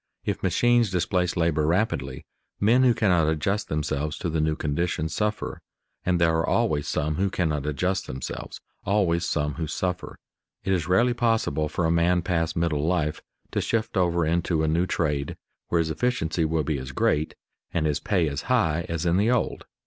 If machines displace labor rapidly, men who cannot adjust themselves to the new conditions suffer, and there are always some who cannot adjust themselves, always some who suffer. It is rarely possible for a man past middle life to shift over into a new trade where his efficiency will be as great and his pay as high as in the old.